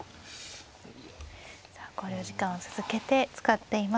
さあ考慮時間を続けて使っています。